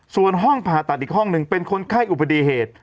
ส่วนห้องผ่าตัดอีกห้องหนึ่งเป็นคนไข้อุบัติเหตุ